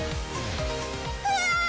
うわ！